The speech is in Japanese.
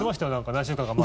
何週間か前。